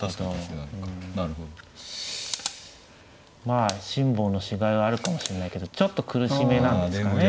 まあ辛抱のしがいはあるかもしれないけどちょっと苦しめなんですかね。